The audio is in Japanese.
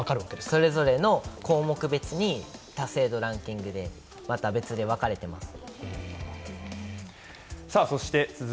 それぞれの項目別に達成度ランキングでまた別で分かれてます。